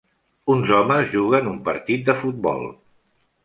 Uns homes juguen un partit de futbol.